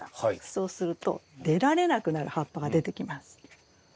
そうすると出られなくなる葉っぱが出てきます。